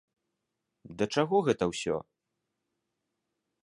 Да чаго гэта ўсё?